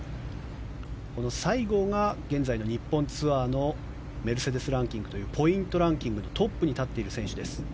西郷が現在日本ツアーのメルセデス・ランキングというポイントランキングのトップに立っている選手です。